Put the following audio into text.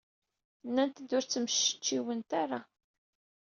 Nnant-d ur ttmectciwent ara.